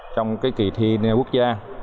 trong cái kỳ thi nước quốc gia